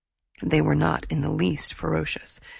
They were not in the least ferocious.